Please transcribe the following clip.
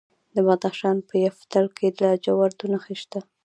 د بدخشان په یفتل کې د لاجوردو نښې شته.